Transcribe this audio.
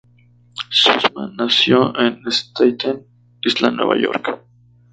Sussman nació en Staten Island, Nueva York.